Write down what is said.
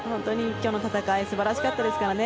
今日の戦いは素晴らしかったですからね。